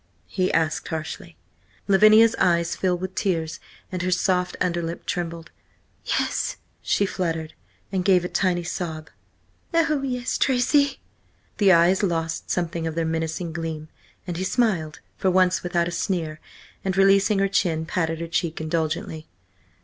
he asked harshly. Lavinia's eyes filled with tears and her soft underlip trembled. "Yes," she fluttered, and gave a tiny sob. "Oh, yes, Tracy!" The eyes lost something of their menacing gleam, and he smiled, for once without a sneer, and releasing her chin, patted her cheek indulgently.